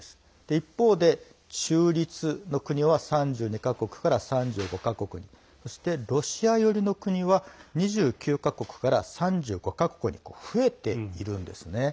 一方で中立の国は３２から３５ロシア寄りの国は２９か国から３５か国に増えているんですね。